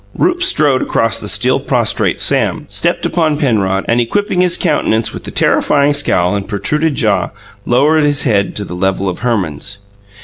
Rupe strode across the still prostrate Sam, stepped upon Penrod, and, equipping his countenance with the terrifying scowl and protruded jaw, lowered his head to the level of Herman's.